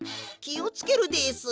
きをつけるです。